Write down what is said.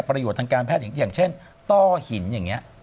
แต่ประโยชน์ทางการแพทย์อย่างเช่นต้อหินอย่างนี้